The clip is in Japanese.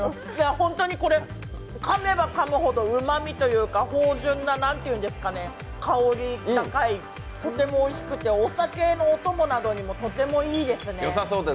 本当にこれ、噛めば噛むほどうまみというか芳じゅんな香り高いとてもおいしくてお酒のお供などにもとてもいいですね。